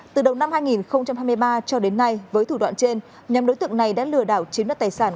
từ đầu năm hai nghìn hai mươi ba cho đến nay với thủ đoạn trên nhóm đối tượng này đã lừa đảo chiếm đoạt tài sản